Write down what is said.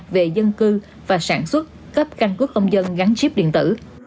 về dân cư và sản xuất cấp căn cước công dân gắn chip điện tử